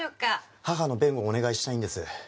義母の弁護をお願いしたいんです。